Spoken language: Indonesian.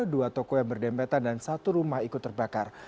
dua toko yang berdempetan dan satu rumah ikut terbakar